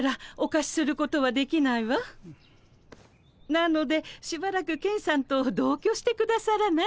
なのでしばらくケンさんと同居してくださらない？